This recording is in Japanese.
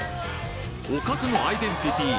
おかずのアイデンティティー